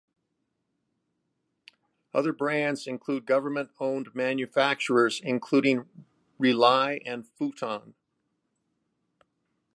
Other brands include government owned manufacturers including Rely and Foton.